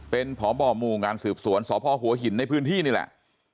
เป็นพบหมู่งานสืบสวนสพหัวหินในพื้นที่นี่แหละ